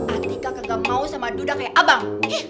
atika kakak mau sama duda kayak abang